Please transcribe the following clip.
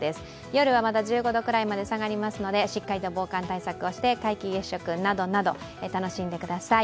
夜はまた１５度くらいまで下がりますので、しっかりと防寒対策して皆既月食などなど楽しんでください。